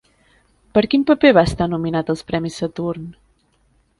Per quin paper va estar nominat als premis Saturn?